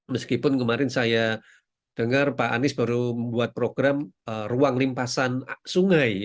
meskipun kemarin saya dengar pak anies baru membuat program ruang limpasan sungai